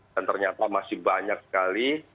dan ternyata masih banyak sekali